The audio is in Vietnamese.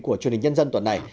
của truyền hình nhân dân tuần này